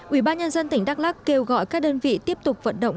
ủy ban nhân dân tỉnh đắk lắc kêu gọi các đơn vị tiếp tục vận động